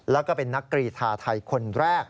และก็เป็นนักกีฬาทายคนแรก